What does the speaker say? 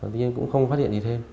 tuy nhiên cũng không phát hiện gì thêm